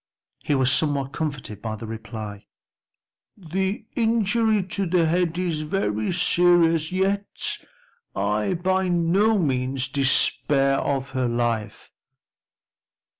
He was somewhat comforted by the reply, "The injury to the head is very serious, yet I by no means despair of her life."